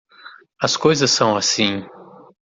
As coisas são assim.